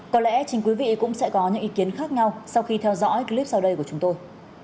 có lẽ chính quý vị cũng sẽ có những ý kiến khác nhau sau khi theo dõi clip sau đây của chúng tôi